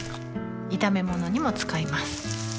炒め物にも使います